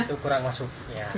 itu kurang masuk